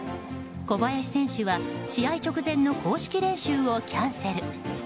小林選手は試合直前の公式練習をキャンセル。